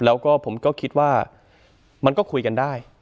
แล้วก็ผมก็คิดว่ามันก็คุยกันได้